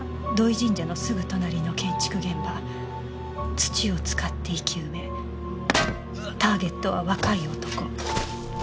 神社のすぐ隣の建築現場」「土を使って生き埋め」「ターゲットは若い男」